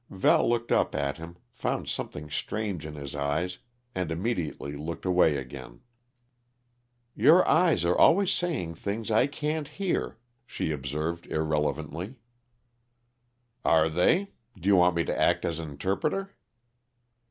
Val looked up at him, found something strange in his eyes, and immediately looked away again. "Your eyes are always saying things I can't hear," she observed irrelevantly. "Are they? Do you want me to act as interpreter?"